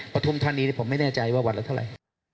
กระทุ่มทางนี้ผมไม่แน่ใจว่าวันละเท่าไร